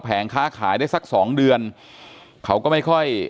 แต่พี่ได้ยินเขามาไทย